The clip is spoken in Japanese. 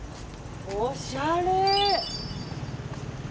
おしゃれ！